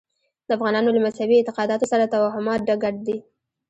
د افغانانو له مذهبي اعتقاداتو سره توهمات ګډ دي.